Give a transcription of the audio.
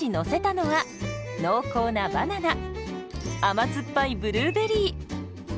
甘酸っぱいブルーベリー。